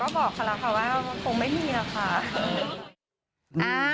ก็บอกเขาแล้วค่ะว่าคงไม่มีหรอกค่ะ